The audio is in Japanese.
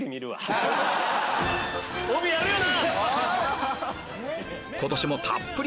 帯やるよな！